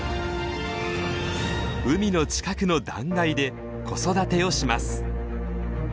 海の近くの断崖で子育てをします。